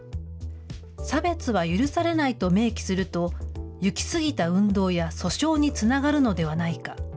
差別は許されないと明記すると、行き過ぎた運動や訴訟につながるのではないか。